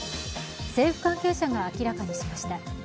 政府関係者が明らかにしました。